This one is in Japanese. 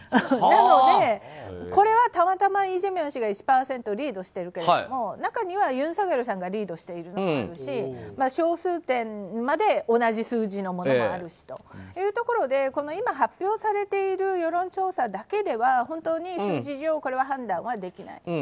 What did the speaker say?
なので、これはたまたまイ・ジェミョン氏が１％リードしていますが中にはユン・ソギョルさんがリードしているものもあるし小数点まで同じ数字のものもあるしというところで今、発表されている世論調査だけでは本当に数字上これは判断できない。